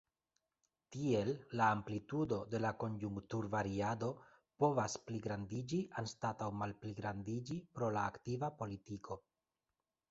Tiel la amplitudo de la konjunkturvariado povas pligrandiĝi anstataŭ malpligrandiĝi pro la aktiva politiko.